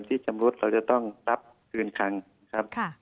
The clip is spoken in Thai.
ที่ชำรุดเราจะต้องรับคืนคังครับ